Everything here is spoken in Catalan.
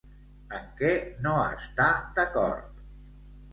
En què no està d'acord?